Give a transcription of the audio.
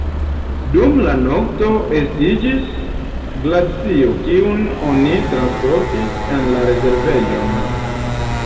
Dum la nokto estiĝis glacio, kiun oni transportis en la rezervejon.